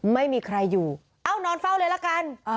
ไม่มีใครอยู่เอ้านอนเฝ้าเลยละกัน